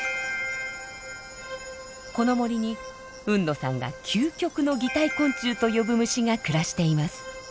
この森に海野さんが「究極の擬態昆虫」と呼ぶ虫が暮らしています。